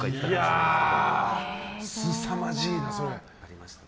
いや、すさまじいな、それ。